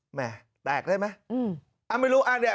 แหม่แตกได้มั้ย